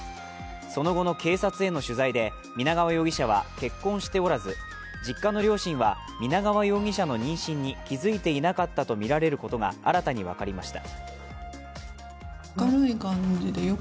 その後の警察への取材で皆川容疑者は結婚しておらず実家の両親は、皆川容疑者の妊娠に気づいていなかったとみられることが新たに分かりました。